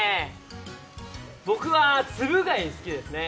僕はつぶ貝、好きですね。